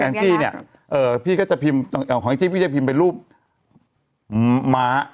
แองซี่เนี่ยเอ่อพี่ก็จะพิมพ์เอ่อของแองซี่พี่จะพิมพ์เป็นรูปหมา